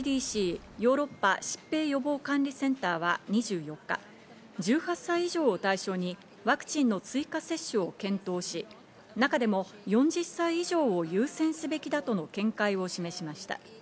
ＥＵの専門機関、ＥＣＤＣ＝ヨーロッパ疾病予防管理センターは２４日、１８歳以上を対象にワクチンの追加接種を検討し、中でも４０歳以上を優先すべきだとの見解を示しました。